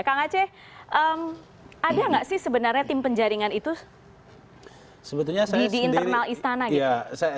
kang aceh ada nggak sih sebenarnya tim penjaringan itu di internal istana gitu